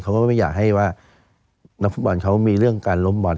ก็ไม่อยากให้ว่านักฟุตบอลเขามีเรื่องการล้มบอล